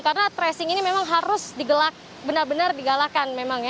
karena tracing ini memang harus digelak benar benar digalakan memang ya